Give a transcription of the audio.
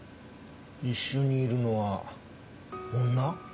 一緒にいるのは女？